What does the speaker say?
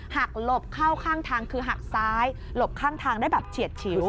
หลบเข้าข้างทางคือหักซ้ายหลบข้างทางได้แบบเฉียดฉิว